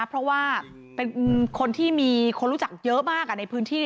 เพราะว่าเป็นคนที่มีคนรู้จักเยอะมากในพื้นที่